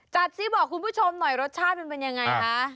จัดสิบอกคุณผู้ชมหน่อยรสชาติมันเป็นยังไงคะ